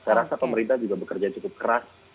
saya rasa pemerintah juga bekerja cukup keras